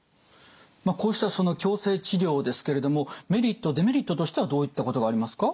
こうしたその矯正治療ですけれどもメリットデメリットとしてはどういったことがありますか？